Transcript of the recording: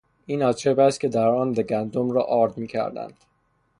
این آسیابی است که در آن گندم را آرد میکردند.